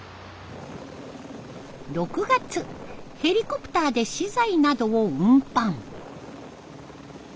６月ヘリコプターで資材などを運搬。